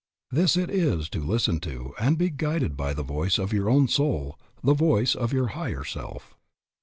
This it is to listen to and be guided by the voice of your own soul, the voice of your higher self.